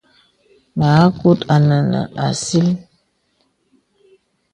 Mǎku ā nə̀ nə̀ àsìl.